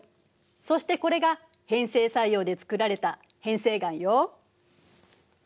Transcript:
そしてこれが変成作用でつくられた変成岩よ。